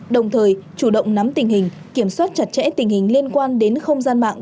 đồng thời chủ động nắm tình hình kiểm soát chặt chẽ tình hình liên quan đến không gian mạng